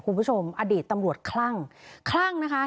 คุณผู้ชมอดีตตำรวจคลั่งคลั่งนะคะ